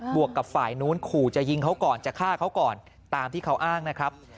วกกับฝ่ายนู้นขู่จะยิงเขาก่อนจะฆ่าเขาก่อนตามที่เขาอ้างนะครับ